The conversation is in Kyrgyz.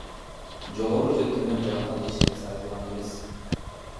Жогору же төмөн жактан эч нерсе айтылган эмес.